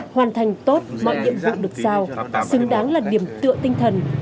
hoàn thành tốt mọi nhiệm vụ được sao xứng đáng là điểm tựa tinh thần